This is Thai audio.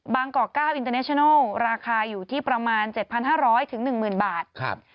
บางกอกก้าวอินเตอร์เนชนัลราคาอยู่ที่ประมาณ๗๕๐๐๑๐๐๐๐บาทครับ